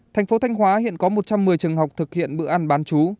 thành phố thanh hóa hiện có một trăm một mươi trường học thực hiện bữa ăn bán chú